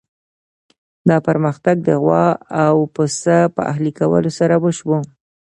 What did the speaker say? دا پرمختګ د غوا او پسه په اهلي کولو سره وشو.